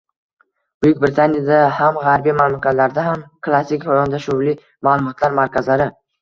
Buyuk Britaniyada ham, gʻarbiy mamlakatlarda ham klassik yondashuvli maʼlumotlar markazlari